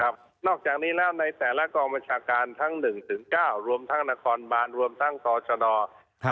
ครับนอกจากนี้แล้วในแต่ละกองบัญชาการทั้งหนึ่งถึงเก้ารวมทั้งนครบาลรวมทั้งศาลชนอร์ครับ